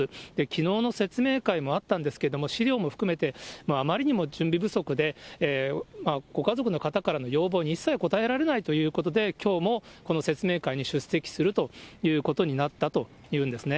きのうの説明会もあったんですけれども、資料も含めてあまりにも準備不足で、ご家族の方からの要望に一切答えられないということで、きょうもこの説明会に出席するということになったというんですね。